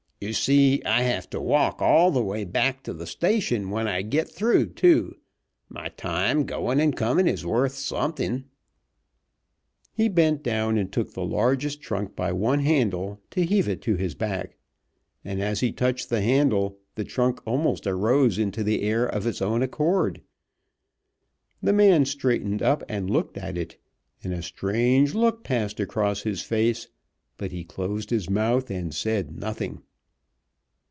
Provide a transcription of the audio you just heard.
"You see I have to walk all the way back to the station when I git through, too. My time goin' and comin' is worth something." [Illustration: "With all the grace of a Sandow"] He bent down and took the largest trunk by one handle, to heave it to his back, and as he touched the handle the trunk almost arose into the air of its own accord. The man straightened up and looked at it, and a strange look passed across his face, but he closed his mouth and said nothing.